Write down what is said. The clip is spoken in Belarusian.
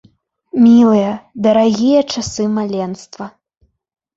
Мілыя, дарагія часы маленства!